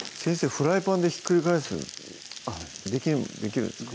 フライパンでひっくり返すできるんですか？